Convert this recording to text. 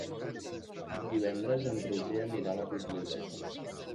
Divendres en Roger anirà a la biblioteca.